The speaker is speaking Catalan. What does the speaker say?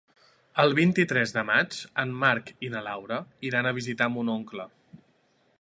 El vint-i-tres de maig en Marc i na Laura iran a visitar mon oncle.